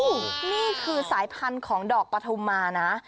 นี่คือสายพันธุ์ของดอกปฐุมานะ